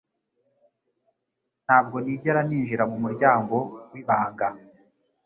Ntabwo nigera ninjira mumuryango wibanga.